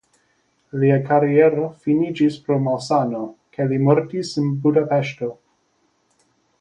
Lia kariero finiĝis pro malsano kaj li mortis en Budapeŝto.